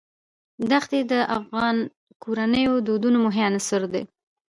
دښتې د افغان کورنیو د دودونو مهم عنصر دی.